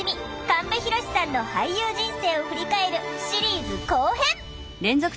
神戸浩さんの俳優人生を振り返るシリーズ後編！